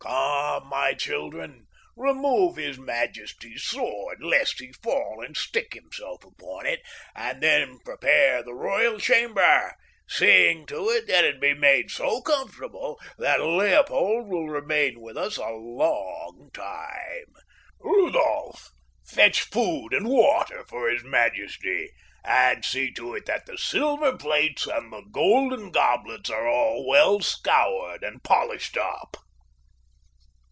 "Come, my children, remove his majesty's sword, lest he fall and stick himself upon it, and then prepare the royal chamber, seeing to it that it be made so comfortable that Leopold will remain with us a long time. Rudolph, fetch food and water for his majesty, and see to it that the silver plates and the golden goblets are well scoured and polished up."